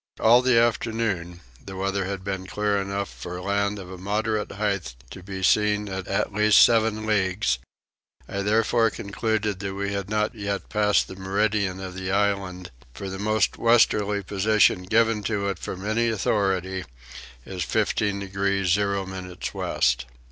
All the afternoon the weather had been clear enough for land of a moderate height to be seen at least seven leagues; I therefore concluded that we had not yet passed the meridian of the island; for the most western position given to it from any authority is 15 degrees 0 minutes west.